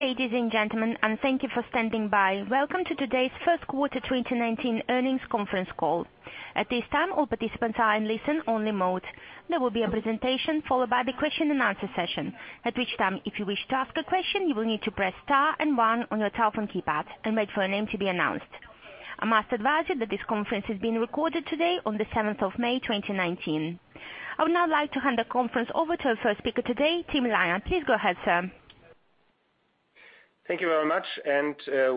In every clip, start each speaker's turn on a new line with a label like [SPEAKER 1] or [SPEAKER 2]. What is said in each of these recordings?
[SPEAKER 1] Thank you for standing by. Welcome to today's first quarter 2019 earnings conference call. At this time, all participants are in listen-only mode. There will be a presentation followed by the question and answer session. At which time, if you wish to ask a question, you will need to press star and one on your telephone keypad and wait for your name to be announced. I must advise you that this conference is being recorded today on the 7th of May, 2019. I would now like to hand the conference over to our first speaker today, Tim Lange. Please go ahead, sir.
[SPEAKER 2] Thank you very much.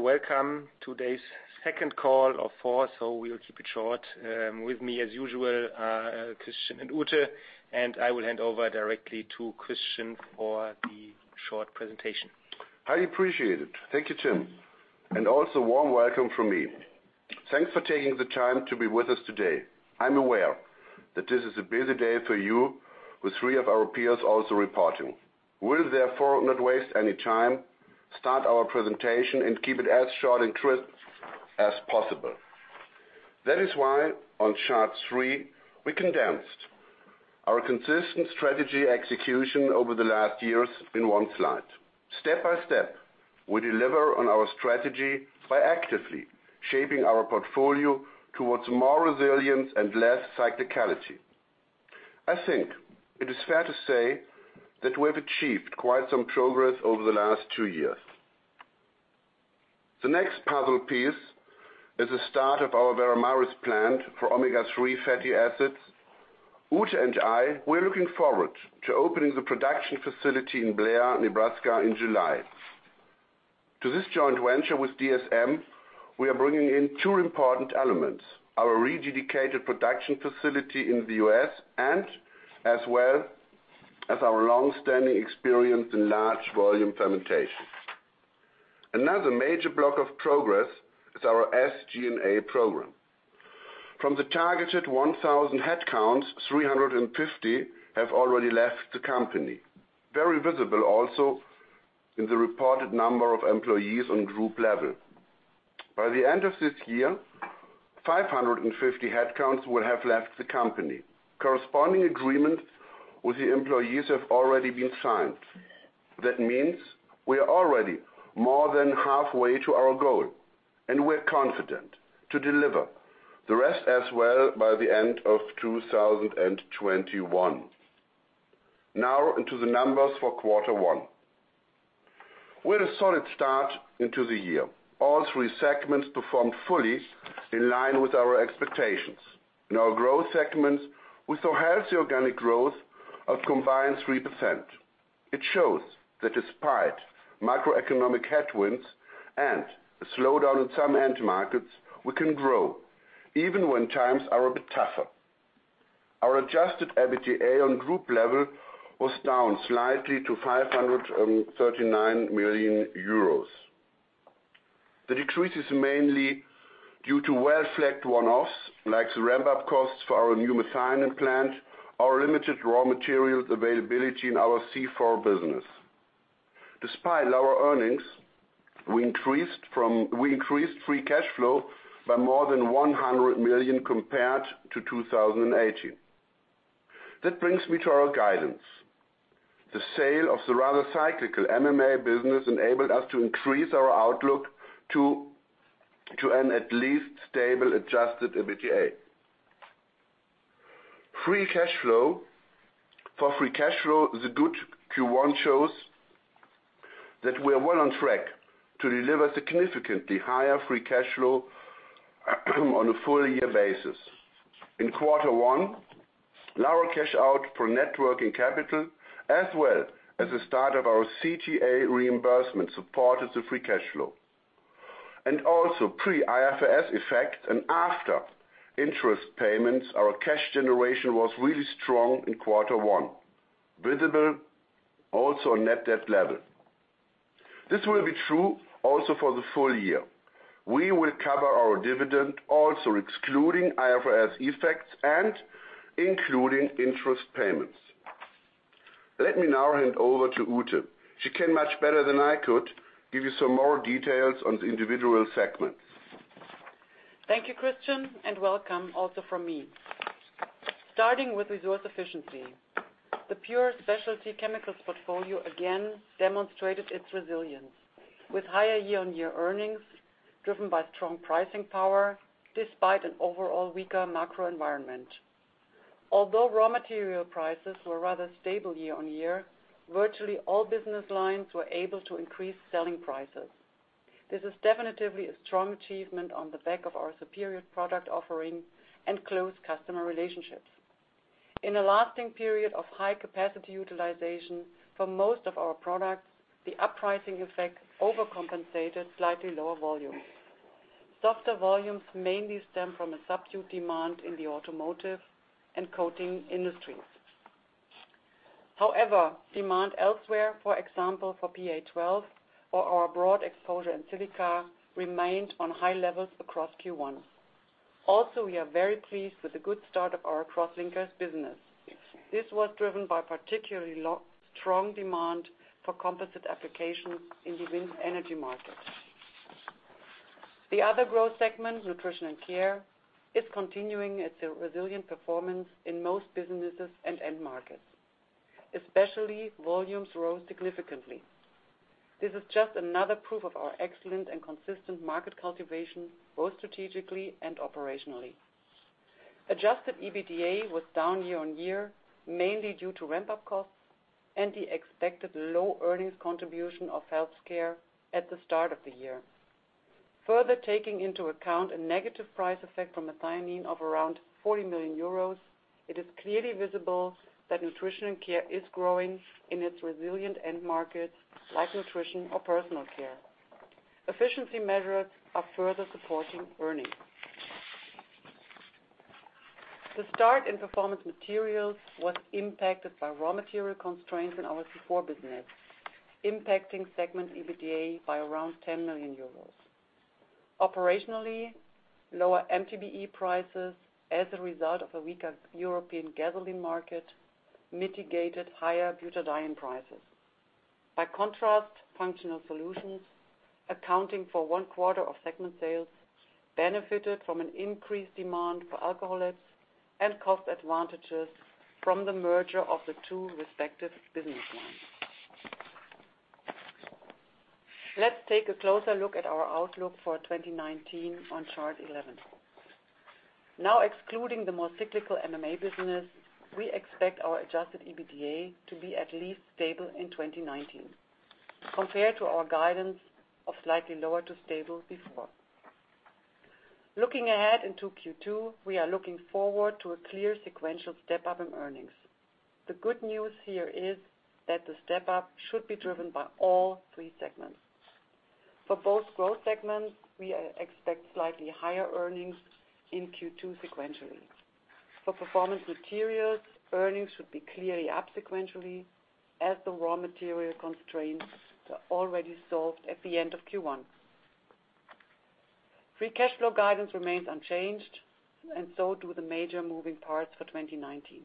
[SPEAKER 2] Welcome. Today's second call of four. We'll keep it short. With me, as usual, Christian and Ute. I will hand over directly to Christian for the short presentation.
[SPEAKER 3] Highly appreciate it. Thank you, Tim. Also, warm welcome from me. Thanks for taking the time to be with us today. I'm aware that this is a busy day for you, with three of our peers also reporting. We'll, therefore, not waste any time, start our presentation and keep it as short and crisp as possible. That is why on chart three, we condensed our consistent strategy execution over the last years in one slide. Step by step, we deliver on our strategy by actively shaping our portfolio towards more resilience and less cyclicality. I think it is fair to say that we have achieved quite some progress over the last two years. The next puzzle piece is the start of our Veramaris plant for omega-3 fatty acids. Ute and I, we're looking forward to opening the production facility in Blair, Nebraska in July. To this joint venture with DSM, we are bringing in two important elements, our rededicated production facility in the U.S. and as well as our longstanding experience in large volume fermentation. Another major block of progress is our SG&A program. From the targeted 1,000 headcounts, 350 have already left the company. Very visible also in the reported number of employees on group level. By the end of this year, 550 headcounts will have left the company. Corresponding agreements with the employees have already been signed. That means we are already more than halfway to our goal. We're confident to deliver the rest as well by the end of 2021. Now, into the numbers for quarter one. We had a solid start into the year. All three segments performed fully in line with our expectations. In our growth segments, we saw healthy organic growth of combined 3%. It shows that despite macroeconomic headwinds and a slowdown in some end markets, we can grow even when times are a bit tougher. Our adjusted EBITDA on group level was down slightly to 539 million euros. The decrease is mainly due to well-flagged one-offs, like the ramp-up costs for our new methionine plant, our limited raw materials availability in our C4 business. Despite lower earnings, we increased free cash flow by more than 100 million compared to 2018. That brings me to our guidance. The sale of the rather cyclical MMA business enabled us to increase our outlook to an at least stable adjusted EBITDA. For free cash flow, the good Q1 shows that we are well on track to deliver significantly higher free cash flow on a full-year basis. In quarter one, lower cash out for net working capital, as well as the start of our CTA reimbursement supported the free cash flow. Also pre-IFRS effect and after interest payments, our cash generation was really strong in quarter one. Visible also on net debt level. This will be true also for the full year. We will cover our dividend also excluding IFRS effects and including interest payments. Let me now hand over to Ute. She can much better than I could give you some more details on the individual segments.
[SPEAKER 4] Thank you, Christian, and welcome also from me. Starting with Resource Efficiency. The pure specialty chemicals portfolio again demonstrated its resilience with higher year-on-year earnings, driven by strong pricing power despite an overall weaker macro environment. Although raw material prices were rather stable year-on-year, virtually all business lines were able to increase selling prices. This is definitively a strong achievement on the back of our superior product offering and close customer relationships. In a lasting period of high capacity utilization for most of our products, the up-pricing effect overcompensated slightly lower volumes. Softer volumes mainly stem from a subdued demand in the automotive and coating industries. However, demand elsewhere, for example, for PA12 or our broad exposure in Silica, remained on high levels across Q1. Also, we are very pleased with the good start of our Crosslinkers business. This was driven by particularly strong demand for composite applications in the wind energy markets. The other growth segment, Nutrition & Care, is continuing its resilient performance in most businesses and end markets. Especially volumes grow significantly. This is just another proof of our excellent and consistent market cultivation, both strategically and operationally. Adjusted EBITDA was down year-on-year, mainly due to ramp-up costs and the expected low earnings contribution of Health Care at the start of the year. Further taking into account a negative price effect from methionine of around 40 million euros, it is clearly visible that Nutrition & Care is growing in its resilient end markets, like nutrition or personal care. Efficiency measures are further supporting earnings. The start in Performance Materials was impacted by raw material constraints in our C4 business, impacting segment EBITDA by around 10 million euros. Operationally, lower MTBE prices as a result of a weaker European gasoline market mitigated higher butadiene prices. By contrast, functional solutions, accounting for one quarter of segment sales, benefited from an increased demand for alcoholates and cost advantages from the merger of the two respective business lines. Let's take a closer look at our outlook for 2019 on chart 11. Excluding the more cyclical MMA business, we expect our adjusted EBITDA to be at least stable in 2019 compared to our guidance of slightly lower to stable before. Looking ahead into Q2, we are looking forward to a clear sequential step-up in earnings. The good news here is that the step-up should be driven by all three segments. For both growth segments, we expect slightly higher earnings in Q2 sequentially. For Performance Materials, earnings should be clearly up sequentially as the raw material constraints are already solved at the end of Q1. Free cash flow guidance remains unchanged and so do the major moving parts for 2019.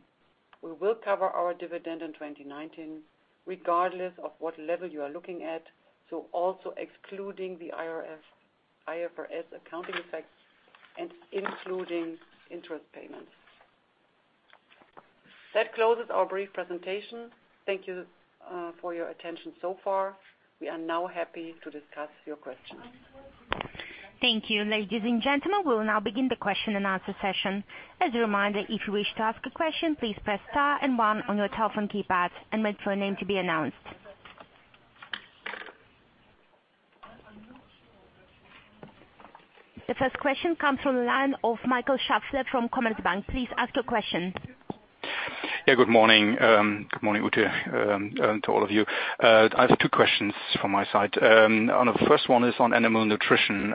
[SPEAKER 4] We will cover our dividend in 2019 regardless of what level you are looking at, so also excluding the IFRS accounting effect and including interest payments. That closes our brief presentation. Thank you for your attention so far. We are now happy to discuss your questions.
[SPEAKER 1] Thank you. Ladies and gentlemen, we will now begin the question and answer session. As a reminder, if you wish to ask a question, please press star and one on your telephone keypad and wait for your name to be announced. The first question comes from the line of Michael Schäffler from Commerzbank. Please ask your question.
[SPEAKER 5] Good morning. Good morning, Ute, and to all of you. I have two questions from my side. The first one is on Animal Nutrition,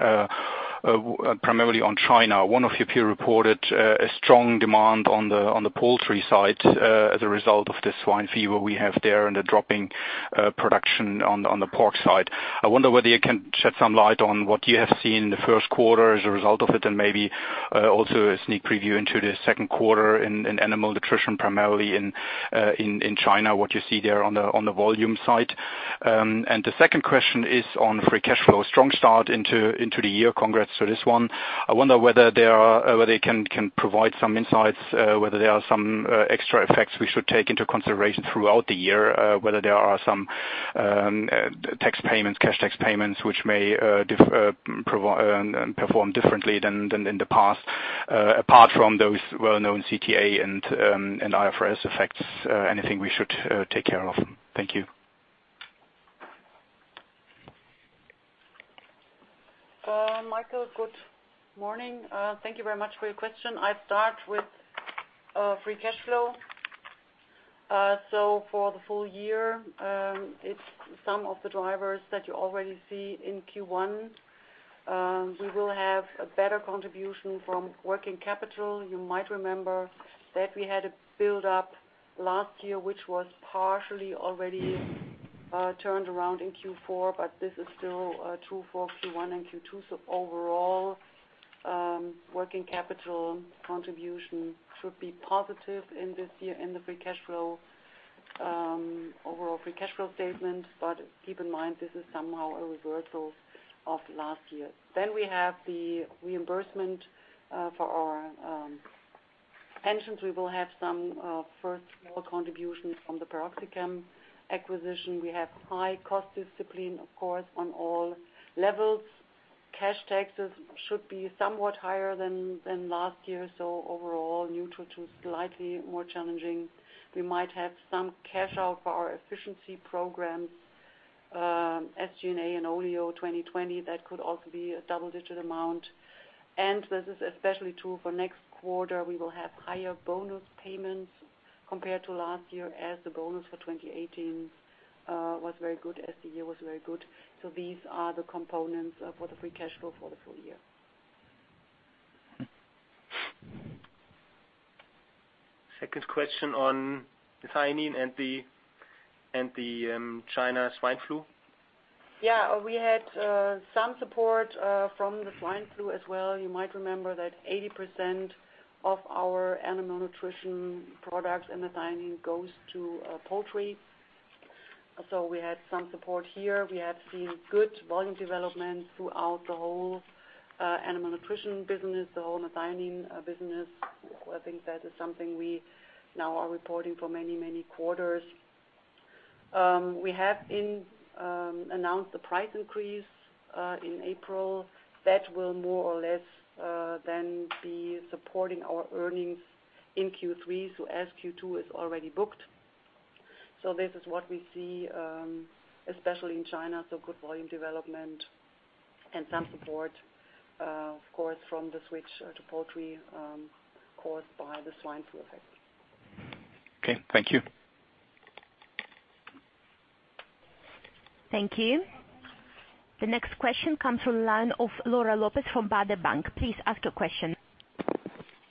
[SPEAKER 5] primarily on China. One of your peer reported a strong demand on the poultry side as a result of the swine fever we have there and the dropping production on the pork side. I wonder whether you can shed some light on what you have seen in the first quarter as a result of it, and maybe also a sneak preview into the second quarter in Animal Nutrition, primarily in China, what you see there on the volume side. The second question is on free cash flow. Strong start into the year. Congrats for this one. I wonder whether you can provide some insights, whether there are some extra effects we should take into consideration throughout the year, whether there are some cash tax payments which may perform differently than in the past. Apart from those well-known CTA and IFRS effects, anything we should take care of? Thank you.
[SPEAKER 4] Michael, good morning. Thank you very much for your question. I start with free cash flow. For the full year, it's some of the drivers that you already see in Q1. We will have a better contribution from working capital. You might remember that we had a build-up last year, which was partially already turned around in Q4, but this is still true for Q1 and Q2. Overall, working capital contribution should be positive in the free cash flow statement. Keep in mind, this is somehow a reversal of last year. Then we have the reimbursement for our pensions. We will have some first small contributions from the PeroxyChem acquisition. We have high cost discipline, of course, on all levels. Cash taxes should be somewhat higher than last year. Overall, neutral to slightly more challenging. We might have some cash out for our efficiency programs, SG&A and Oleo 2020. That could also be a double-digit amount. This is especially true for next quarter. We will have higher bonus payments compared to last year as the bonus for 2018 was very good as the year was very good. These are the components for the free cash flow for the full year.
[SPEAKER 2] Second question on methionine and the China swine flu.
[SPEAKER 4] Yeah, we had some support from the swine flu as well. You might remember that 80% of our Animal Nutrition products and methionine goes to poultry. We had some support here. We have seen good volume development throughout the whole Animal Nutrition business, the whole methionine business. I think that is something we now are reporting for many, many quarters. We have announced the price increase in April. That will more or less then be supporting our earnings in Q3. As Q2 is already booked, so this is what we see, especially in China, so good volume development and some support, of course, from the switch to poultry, caused by the swine flu effect.
[SPEAKER 5] Okay. Thank you.
[SPEAKER 1] Thank you. The next question comes from line of Laura Lopez from Baader Bank. Please ask your question.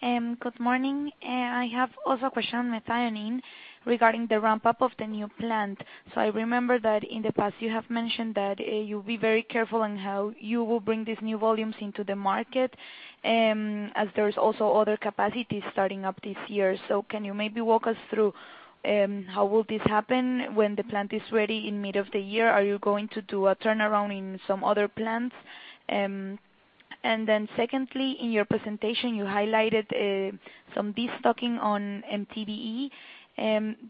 [SPEAKER 6] Good morning. I have also a question on methionine regarding the ramp-up of the new plant. I remember that in the past you have mentioned that you'll be very careful in how you will bring these new volumes into the market, as there is also other capacity starting up this year. Can you maybe walk us through how will this happen when the plant is ready in mid of the year? Are you going to do a turnaround in some other plants? And then secondly, in your presentation, you highlighted some de-stocking on MTBE.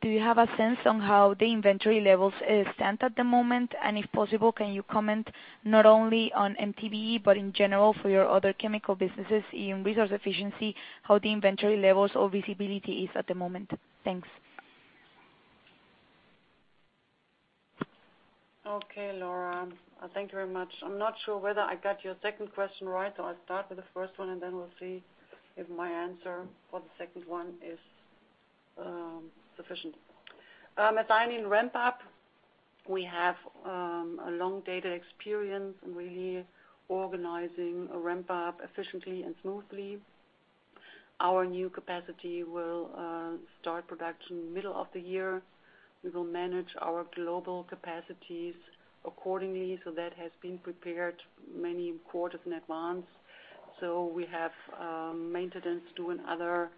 [SPEAKER 6] Do you have a sense on how the inventory levels stand at the moment? And if possible, can you comment not only on MTBE, but in general for your other chemical businesses in Resource Efficiency, how the inventory levels or visibility is at the moment? Thanks.
[SPEAKER 4] Okay, Laura. Thank you very much. I'm not sure whether I got your second question right, I'll start with the first one, and then we'll see if my answer for the second one is sufficient. Methionine ramp up, we have a long data experience in really organizing a ramp-up efficiently and smoothly. Our new capacity will start production middle of the year. We will manage our global capacities accordingly. That has been prepared many quarters in advance. We have maintenance due in other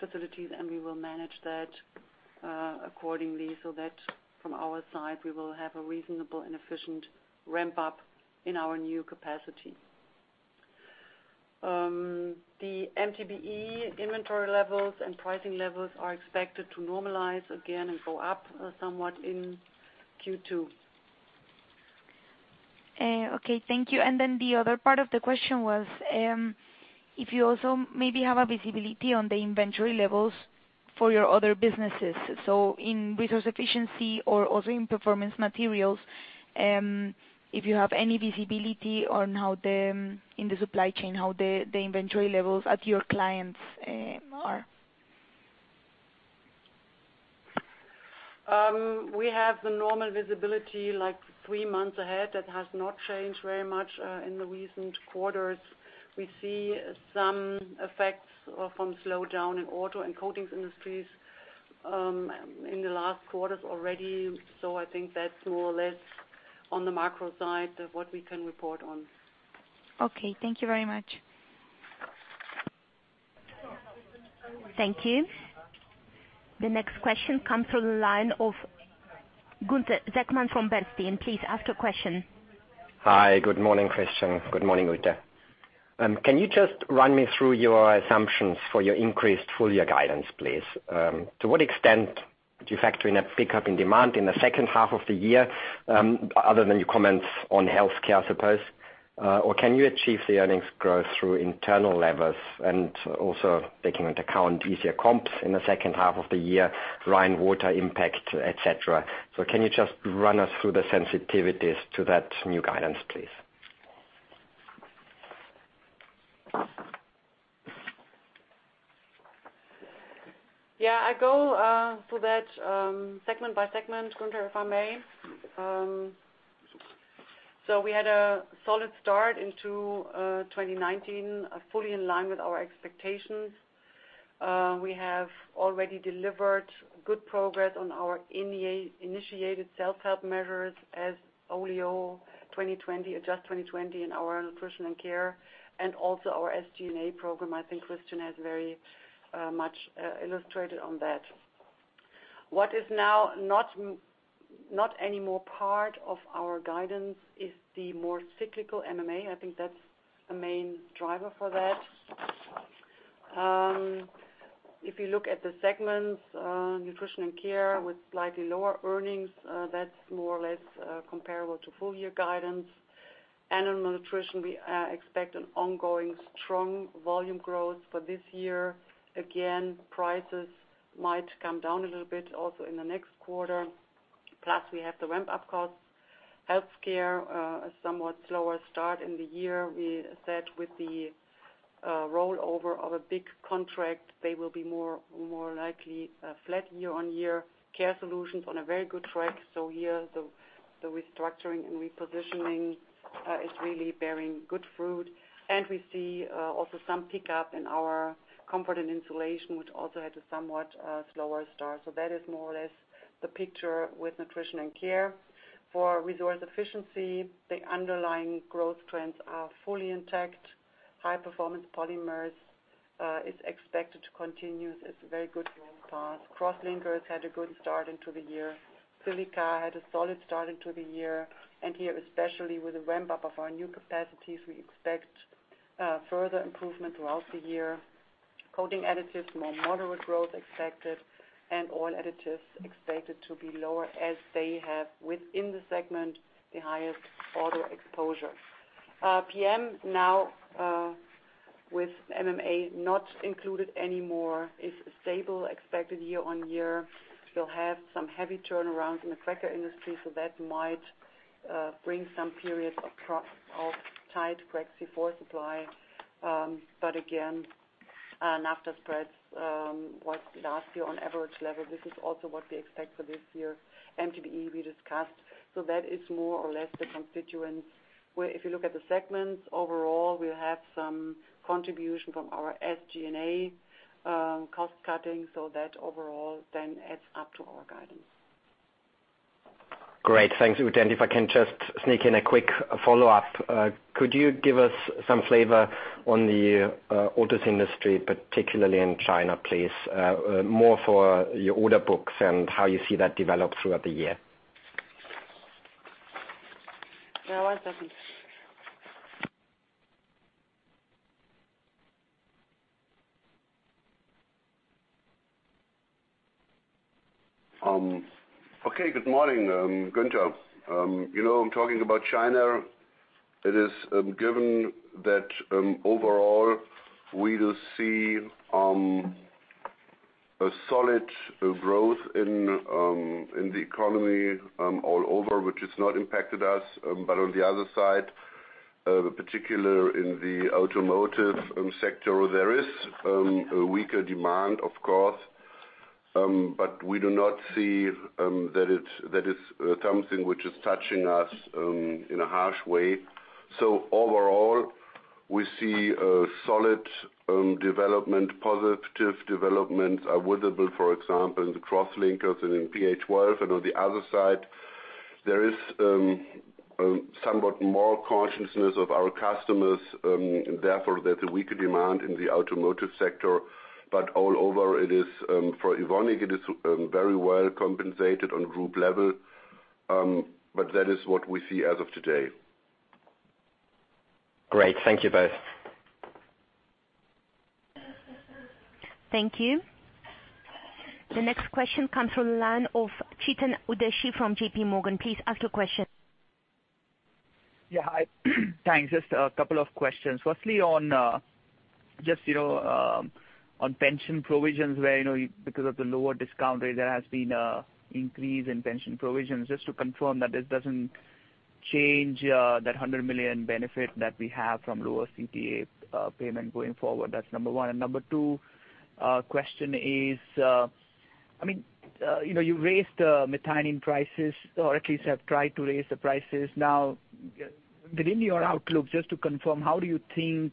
[SPEAKER 4] facilities, and we will manage that accordingly so that from our side, we will have a reasonable and efficient ramp-up in our new capacity. The MTBE inventory levels and pricing levels are expected to normalize again and go up somewhat in Q2.
[SPEAKER 6] Okay, thank you. The other part of the question was, if you also maybe have a visibility on the inventory levels for your other businesses. In Resource Efficiency or also in Performance Materials, if you have any visibility on how the, in the supply chain, how the inventory levels at your clients are.
[SPEAKER 4] We have the normal visibility, like three months ahead. That has not changed very much in the recent quarters. We see some effects from slowdown in auto and coatings industries in the last quarters already. I think that's more or less on the macro side of what we can report on.
[SPEAKER 6] Okay. Thank you very much.
[SPEAKER 1] Thank you. The next question comes from the line of Gunther Zechmann from Bernstein. Please ask your question.
[SPEAKER 7] Hi. Good morning, Christian. Good morning, Ute. Can you just run me through your assumptions for your increased full year guidance, please? To what extent do you factor in a pickup in demand in the second half of the year, other than your comments on Health Care, I suppose? Can you achieve the earnings growth through internal levers? Also taking into account easier comps in the second half of the year, Rhine water impact, et cetera. Can you just run us through the sensitivities to that new guidance, please?
[SPEAKER 4] Yeah. I go through that segment by segment, Gunther, if I may. We had a solid start into 2019, fully in line with our expectations. We have already delivered good progress on our initiated self-help measures as Oleo 2020, Adjust 2020 in our Nutrition & Care and also our SG&A program. I think Christian has very much illustrated on that. What is now not anymore part of our guidance is the more cyclical MMA. I think that's the main driver for that. If you look at the segments, Nutrition & Care with slightly lower earnings, that's more or less comparable to full year guidance. Animal Nutrition, we expect an ongoing strong volume growth for this year. Again, prices might come down a little bit also in the next quarter. Plus, we have the ramp-up costs. Health Care, a somewhat slower start in the year. We said with the rollover of a big contract, they will be more likely flat year-over-year. Care Solutions on a very good track. Here the restructuring and repositioning is really bearing good fruit. We see also some pickup in our Comfort & Insulation, which also had a somewhat slower start. That is more or less the picture with Nutrition & Care. For Resource Efficiency, the underlying growth trends are fully intact. High-performance polymers is expected to continue its very good growth path. Crosslinkers had a good start into the year. Silica had a solid start into the year, and here, especially with the ramp-up of our new capacities, we expect further improvement throughout the year. Coating additives, more moderate growth expected, and Oil Additives expected to be lower as they have, within the segment, the highest order exposure. Performance Materials now with MMA not included anymore, is stable expected year-over-year. We'll have some heavy turnarounds in the cracker industry, that might bring some periods of tight C4 supply. Again, naphtha spreads was last year on average level. This is also what we expect for this year. MTBE, we discussed. That is more or less the constituents, where if you look at the segments overall, we'll have some contribution from our SG&A cost-cutting. Overall then adds up to our guidance.
[SPEAKER 7] Great. Thanks, Ute. If I can just sneak in a quick follow-up. Could you give us some flavor on the autos industry, particularly in China, please? More for your order books and how you see that develop throughout the year.
[SPEAKER 4] Yeah, one second.
[SPEAKER 3] Okay, good morning, Gunther. I'm talking about China. It is given that overall we will see a solid growth in the economy all over, which has not impacted us. On the other side, particular in the automotive sector, there is a weaker demand, of course. We do not see that it's something which is touching us in a harsh way. Overall, we see a solid development, positive development visible, for example, in the Crosslinkers and in PA12. On the other side, there is somewhat more cautiousness of our customers, therefore, there's a weaker demand in the automotive sector. All over, for Evonik, it is very well compensated on group level. That is what we see as of today.
[SPEAKER 7] Great. Thank you both.
[SPEAKER 1] Thank you. The next question comes from the line of Chetan Udeshi from J.P. Morgan. Please ask your question.
[SPEAKER 8] Thanks. Just a couple of questions. Firstly, on pension provisions where, because of the lower discount rate, there has been a increase in pension provisions. Just to confirm that this doesn't change that 100 million benefit that we have from lower CTA payment going forward. That's number one. Number two question is, you raised the methionine prices or at least have tried to raise the prices. Now, within your outlook, just to confirm, how do you think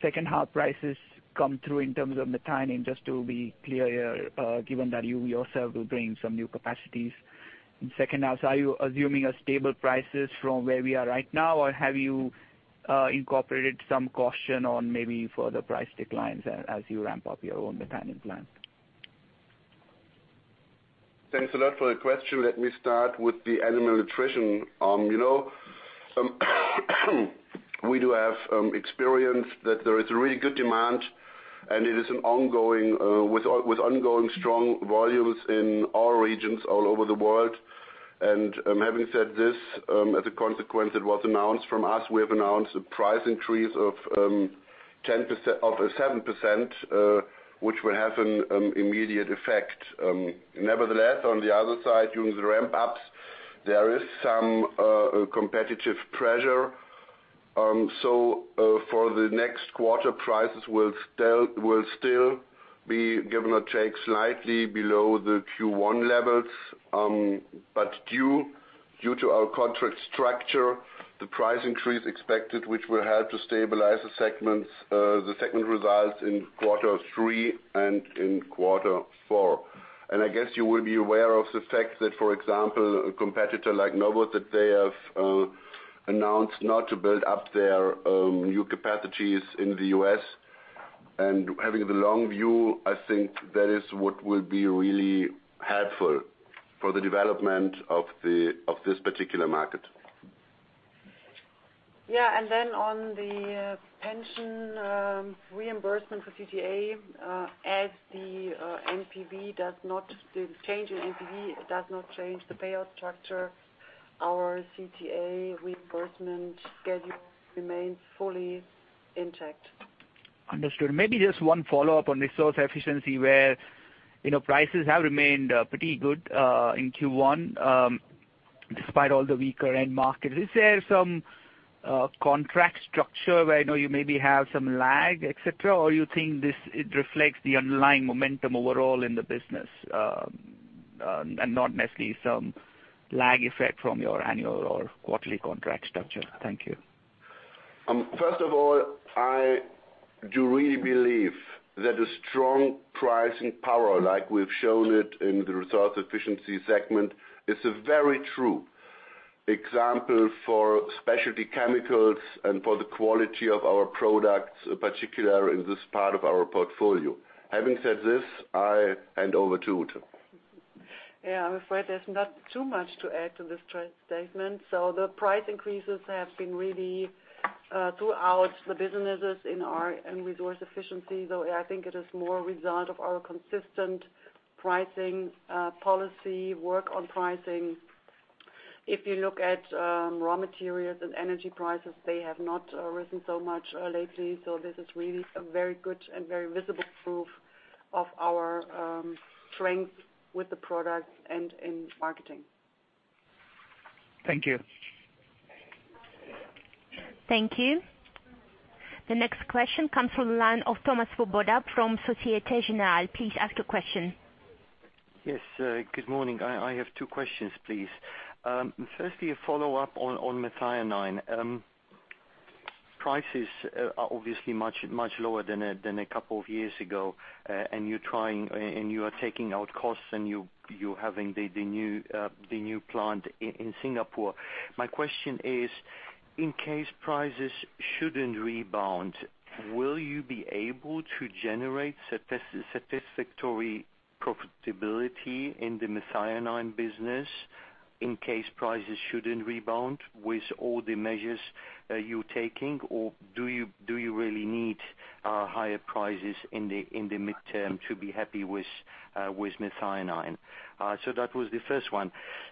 [SPEAKER 8] second half prices come through in terms of methionine? Just to be clear here, given that you yourself will bring some new capacities in second half. Are you assuming a stable prices from where we are right now, or have you incorporated some caution on maybe further price declines as you ramp up your own methionine plans?
[SPEAKER 3] Thanks a lot for the question. Let me start with the Animal Nutrition. It is with ongoing strong volumes in all regions all over the world. Having said this, as a consequence, it was announced from us, we have announced a price increase of 7%, which will have an immediate effect. Nevertheless, on the other side, during the ramp-ups, there is some competitive pressure. For the next quarter, prices will still be, give or take, slightly below the Q1 levels. Due to our contract structure, the price increase expected, which will help to stabilize the segment results in quarter three and in quarter four. I guess you will be aware of the fact that, for example, a competitor like Novus, that they have announced not to build up their new capacities in the U.S. Having the long view, I think that is what will be really helpful for the development of this particular market.
[SPEAKER 4] Yeah. On the pension reimbursement for CTA, as the change in MTBE does not change the payout structure, our CTA reimbursement schedule remains fully intact.
[SPEAKER 8] Understood. Maybe just one follow-up on Resource Efficiency, where prices have remained pretty good in Q1, despite all the weaker end market. Is there some contract structure where I know you maybe have some lag, et cetera? Or you think it reflects the underlying momentum overall in the business, and not necessarily some lag effect from your annual or quarterly contract structure? Thank you.
[SPEAKER 3] First of all, I do really believe that a strong pricing power, like we've shown it in the Resource Efficiency segment, is a very true example for specialty chemicals and for the quality of our products, particular in this part of our portfolio. Having said this, I hand over to Ute.
[SPEAKER 4] I'm afraid there's not too much to add to this statement. The price increases have been really throughout the businesses in our end Resource Efficiency, though I think it is more a result of our consistent pricing policy, work on pricing. If you look at raw materials and energy prices, they have not risen so much lately. This is really a very good and very visible proof of our strength with the products and in marketing.
[SPEAKER 8] Thank you.
[SPEAKER 1] Thank you. The next question comes from the line of Thomas Boda from Societe Generale. Please ask your question.
[SPEAKER 9] Good morning. I have two questions, please. Firstly, a follow-up on methionine. Prices are obviously much lower than a couple of years ago. You are taking out costs and you're having the new plant in Singapore. My question is, in case prices shouldn't rebound, will you be able to generate satisfactory profitability in the methionine business in case prices shouldn't rebound with all the measures you're taking? Or do you really need higher prices in the midterm to be happy with methionine? That was the first one.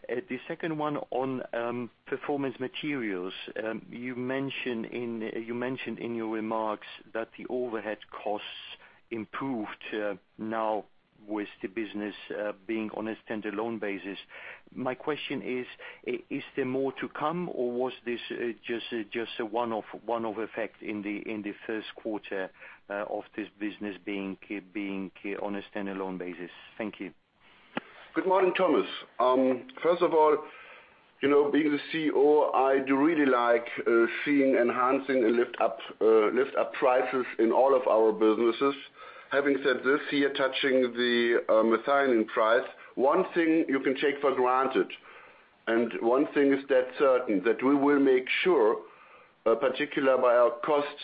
[SPEAKER 9] The second one on Performance Materials. You mentioned in your remarks that the overhead costs improved now with the business being on a standalone basis. My question is there more to come, or was this just a one-off effect in the first quarter of this business being on a standalone basis? Thank you.
[SPEAKER 3] Good morning, Thomas. First of all, being the CEO, I do really like seeing enhancing and lift up prices in all of our businesses. Having said this here, touching the methionine price, one thing you can take for granted and one thing is dead certain, that we will make sure, particular by our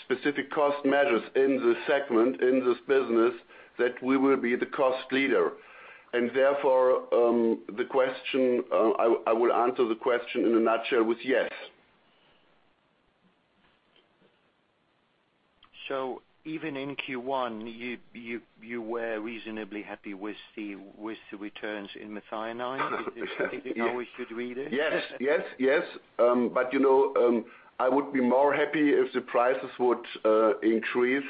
[SPEAKER 3] specific cost measures in this segment, in this business, that we will be the cost leader. Therefore, I will answer the question in a nutshell with yes.
[SPEAKER 9] Even in Q1, you were reasonably happy with the returns in methionine? Is this how we should read it?
[SPEAKER 3] Yes. I would be more happy if the prices would increase.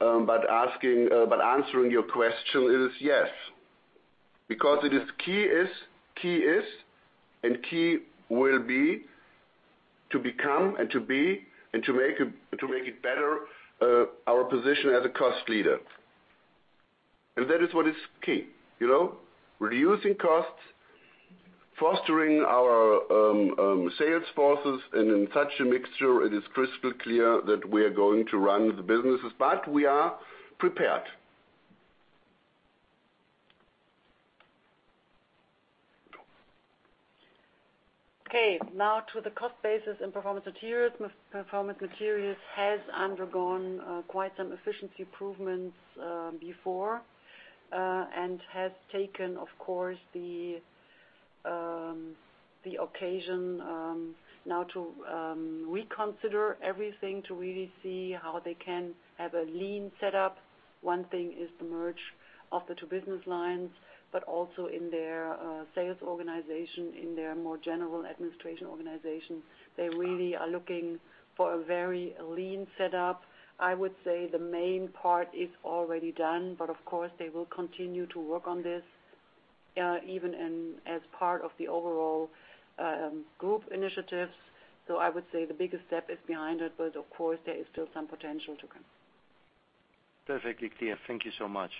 [SPEAKER 3] Answering your question is yes, because it is key is, and key will be, to become and to be, and to make it better, our position as a cost leader. That is what is key. Reducing costs, fostering our sales forces, in such a mixture, it is crystal clear that we are going to run the businesses, but we are prepared.
[SPEAKER 4] Okay, now to the cost basis and Performance Materials. Performance Materials has undergone quite some efficiency improvements before, has taken, of course, the occasion now to reconsider everything, to really see how they can have a lean setup. One thing is the merge of the two business lines, also in their sales organization, in their more general administration organization, they really are looking for a very lean setup. I would say the main part is already done, of course, they will continue to work on this, even as part of the overall group initiatives. I would say the biggest step is behind it, of course, there is still some potential to come.
[SPEAKER 9] Perfectly clear. Thank you so much.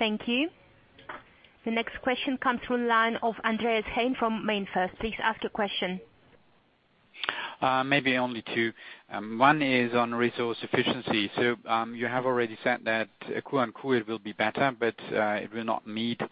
[SPEAKER 1] Thank you. The next question comes from the line of Andreas Heine from MainFirst. Please ask your question.
[SPEAKER 10] Maybe only two. One is on Resource Efficiency. You have already said that Q on Q, it will be better, but it will not meet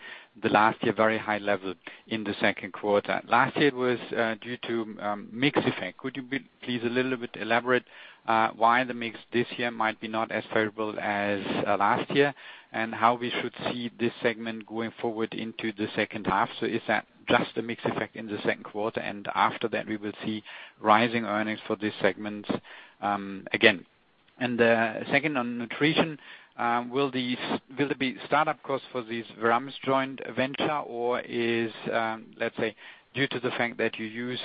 [SPEAKER 10] the last year very high level in the second quarter. Last year it was due to mix effect. Could you please, a little bit elaborate why the mix this year might be not as favorable as last year? How we should see this segment going forward into the second half? Is that just a mix effect in the second quarter, and after that we will see rising earnings for this segment again? The second on Nutrition. Will there be startup costs for this Veramaris joint venture? Or is, let's say, due to the fact that you use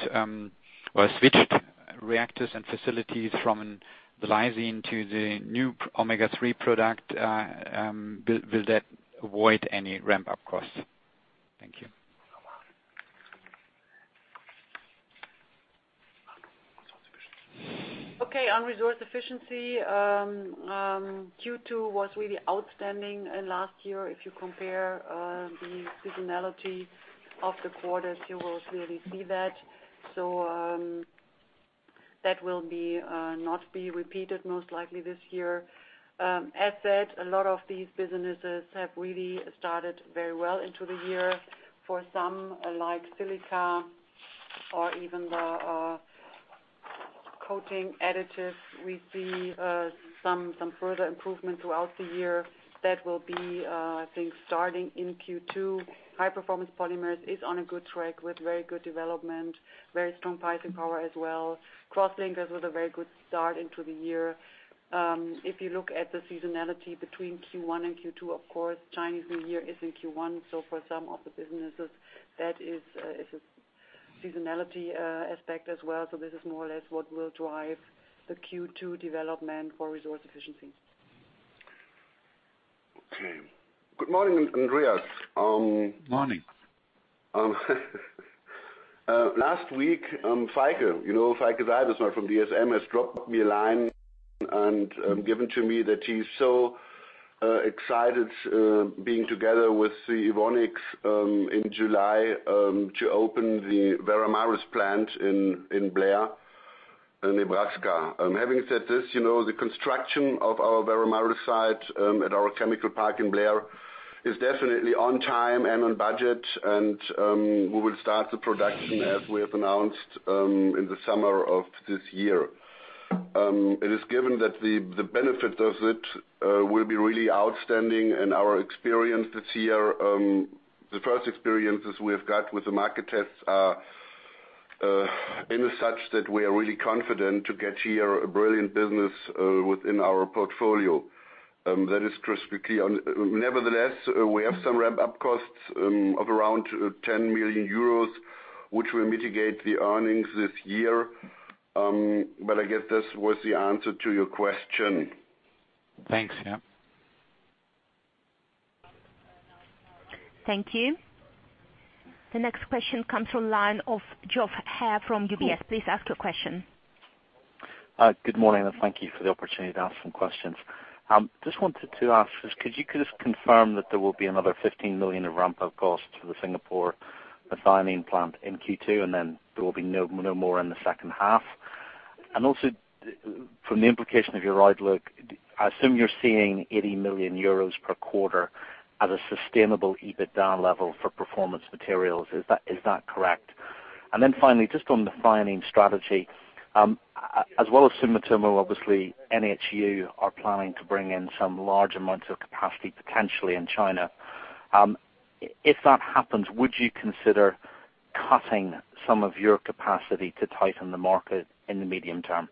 [SPEAKER 10] or switched reactors and facilities from the lysine to the new omega-3 product, will that avoid any ramp-up costs? Thank you.
[SPEAKER 4] Okay. On Resource Efficiency, Q2 was really outstanding last year. If you compare the seasonality of the quarters, you will really see that. That will not be repeated most likely this year. As said, a lot of these businesses have really started very well into the year. For some, like Silica or even the coating additives, we see some further improvement throughout the year. That will be, I think, starting in Q2. High-performance polymers is on a good track with very good development, very strong pricing power as well. Crosslinkers with a very good start into the year. If you look at the seasonality between Q1 and Q2, of course, Chinese New Year is in Q1, for some of the businesses, that is a seasonality aspect as well. This is more or less what will drive the Q2 development for Resource Efficiency.
[SPEAKER 3] Okay. Good morning, Andreas.
[SPEAKER 10] Morning.
[SPEAKER 3] Last week, Feike, you know Feike Sijbesma from DSM, has dropped me a line and given to me that he's so excited being together with Evonik in July to open the Veramaris plant in Blair in Nebraska. Having said this, the construction of our Veramaris site at our chemical park in Blair is definitely on time and on budget. We will start the production, as we have announced, in the summer of this year. It is given that the benefit of it will be really outstanding. Our experience this year, the first experiences we have got with the market tests are in such that we are really confident to get here a brilliant business within our portfolio. That is crystal clear. Nevertheless, we have some ramp-up costs of around 10 million euros, which will mitigate the earnings this year. I guess this was the answer to your question.
[SPEAKER 10] Thanks. Yeah.
[SPEAKER 1] Thank you. The next question comes from line of Geoff Haire from UBS. Please ask your question.
[SPEAKER 11] Good morning. Thank you for the opportunity to ask some questions. Just wanted to ask, could you confirm that there will be another 15 million of ramp-up costs for the Singapore methionine plant in Q2? Then there will be no more in the second half. Also, from the implication of your outlook, I assume you're seeing 80 million euros per quarter as a sustainable EBITDA level for Performance Materials. Is that correct? Then finally, just on the lysine strategy, as well as Sumitomo, obviously NHU are planning to bring in some large amounts of capacity potentially in China. If that happens, would you consider cutting some of your capacity to tighten the market in the medium term?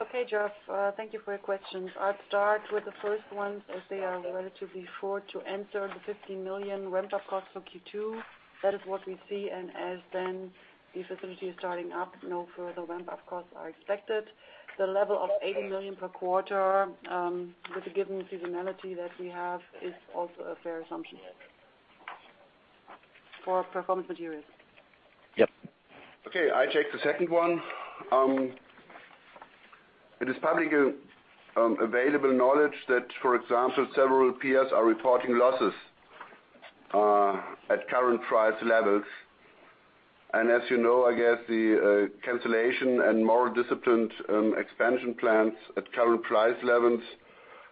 [SPEAKER 4] Okay, Geoff. Thank you for your questions. I'll start with the first one, as they are relatively straightforward to answer. The 15 million ramp-up costs for Q2, that is what we see. As then the facility is starting up, no further ramp-up costs are expected. The level of 80 million per quarter with the given seasonality that we have is also a fair assumption for Performance Materials.
[SPEAKER 11] Yep.
[SPEAKER 3] Okay. I take the second one. It is public available knowledge that, for example, several peers are reporting losses at current price levels. As you know, I guess the cancellation and more disciplined expansion plans at current price levels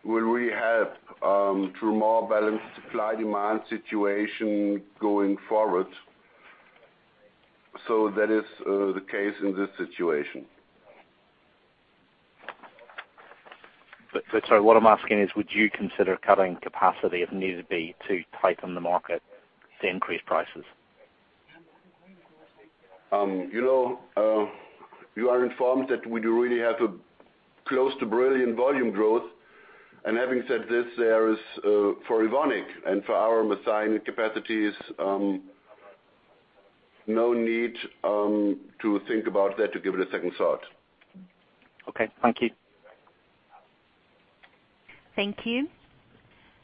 [SPEAKER 3] will really help to a more balanced supply-demand situation going forward. That is the case in this situation.
[SPEAKER 11] Sorry, what I'm asking is, would you consider cutting capacity, if need be, to tighten the market to increase prices?
[SPEAKER 3] You are informed that we do really have a close to brilliant volume growth. Having said this, there is, for Evonik and for our methionine capacities, no need to think about that, to give it a second thought.
[SPEAKER 11] Okay. Thank you.
[SPEAKER 1] Thank you.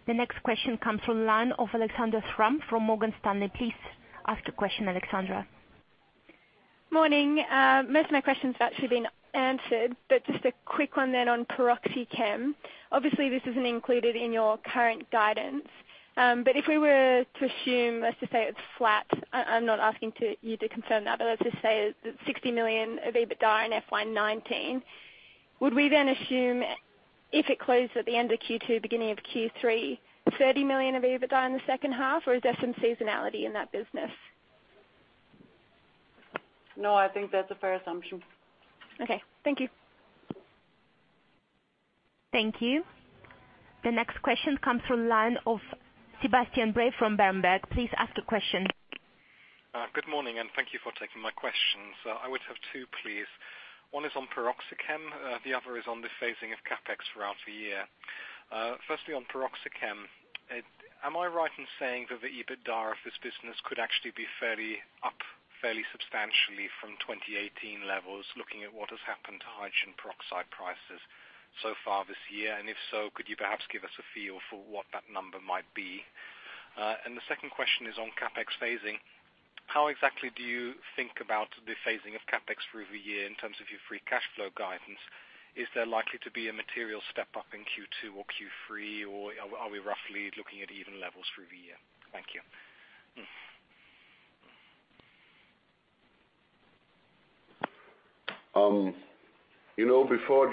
[SPEAKER 1] The next question comes from line of Alexandra Schramm from Morgan Stanley. Please ask the question, Alexandra.
[SPEAKER 12] Morning. Most of my questions have actually been answered, but just a quick one then on PeroxyChem. Obviously, this isn't included in your current guidance. If we were to assume, let's just say it's flat. I'm not asking you to confirm that, but let's just say that 60 million of EBITDA in FY 2019. Would we then assume, if it closed at the end of Q2, beginning of Q3, 30 million of EBITDA in the second half? Is there some seasonality in that business?
[SPEAKER 4] No, I think that's a fair assumption.
[SPEAKER 12] Okay. Thank you.
[SPEAKER 1] Thank you. The next question comes from the line of Sebastian Bray from Berenberg. Please ask the question.
[SPEAKER 13] Good morning, thank you for taking my questions. I would have two, please. One is on PeroxyChem, the other is on the phasing of CapEx throughout the year. Firstly, on PeroxyChem, am I right in saying that the EBITDA of this business could actually be fairly up fairly substantially from 2018 levels, looking at what has happened to hydrogen peroxide prices so far this year? If so, could you perhaps give us a feel for what that number might be? The second question is on CapEx phasing. How exactly do you think about the phasing of CapEx through the year in terms of your free cash flow guidance? Is there likely to be a material step-up in Q2 or Q3, or are we roughly looking at even levels through the year? Thank you.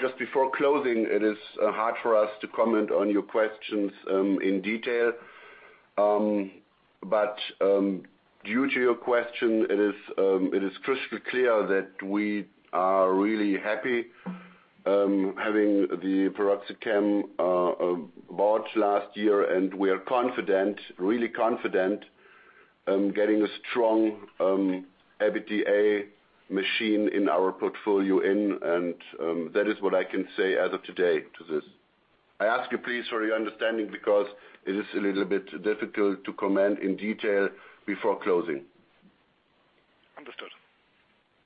[SPEAKER 3] Just before closing, it is hard for us to comment on your questions in detail. Due to your question, it is crystal clear that we are really happy having the PeroxyChem bought last year, and we are really confident getting a strong EBITDA machine in our portfolio in, and that is what I can say as of today to this. I ask you please for your understanding because it is a little bit difficult to comment in detail before closing.
[SPEAKER 13] Understood.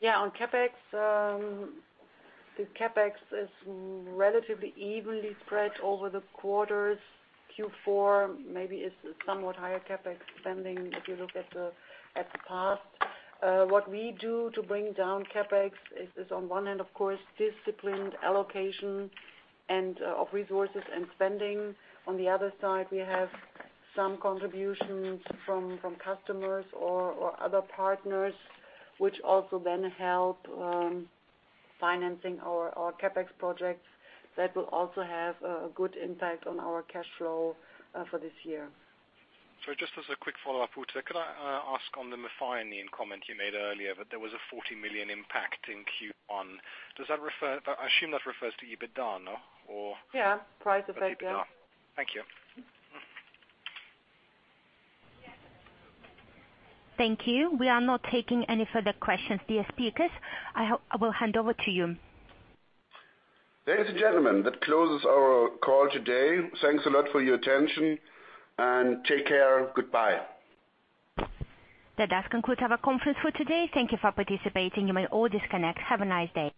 [SPEAKER 4] On CapEx. The CapEx is relatively evenly spread over the quarters. Q4 maybe is somewhat higher CapEx spending if you look at the past. What we do to bring down CapEx is on one hand, of course, disciplined allocation of resources and spending. On the other side, we have some contributions from customers or other partners, which also then help financing our CapEx projects that will also have a good impact on our cash flow for this year.
[SPEAKER 13] Just as a quick follow-up, Ute, could I ask on the methane comment you made earlier that there was a 40 million impact in Q1. I assume that refers to EBITDA, no?
[SPEAKER 4] Yeah. Price effect, yeah.
[SPEAKER 13] Thank you.
[SPEAKER 1] Thank you. We are not taking any further questions. Dear speakers, I will hand over to you.
[SPEAKER 3] Ladies and gentlemen, that closes our call today. Thanks a lot for your attention and take care. Goodbye.
[SPEAKER 1] That does conclude our conference for today. Thank you for participating. You may all disconnect. Have a nice day.